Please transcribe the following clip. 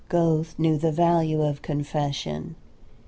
Goethe knew the value of confession.